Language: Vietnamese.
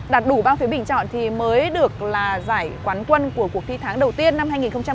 đạt đủ ba phiếu bình chọn thì mới được giải quán quân của cuộc thi tháng đầu tiên năm hai nghìn một mươi chín